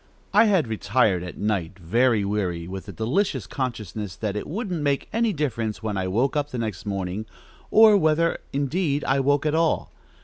I had retired at night, very weary, with the delicious consciousness that it wouldn't make any difference when I woke up the next morning, or whether, indeed, I woke at all.